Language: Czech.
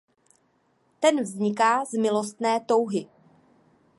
Ten vzniká z milostné touhy.